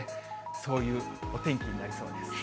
そういうお天気になりそうです。